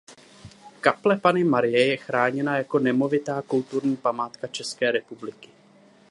Kaple Panny Marie je chráněna jako nemovitá Kulturní památka České republiky.